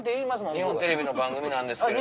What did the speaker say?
「日本テレビの番組なんですけども」。